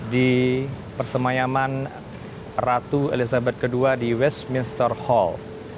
di persemayaman ratu elizabeth ii di westminster hall